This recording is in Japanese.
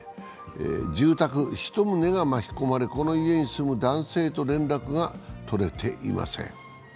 住宅１棟が巻き込まれこの家に住む男性と連絡が取れていません。